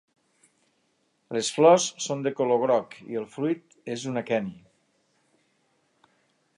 Les flors són de color groc i el fruit és un aqueni.